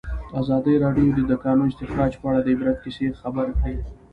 ازادي راډیو د د کانونو استخراج په اړه د عبرت کیسې خبر کړي.